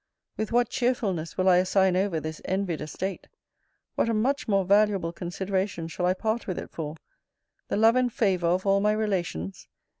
With what cheerfulness will I assign over this envied estate! What a much more valuable consideration shall I part with it for! The love and favour of all my relations!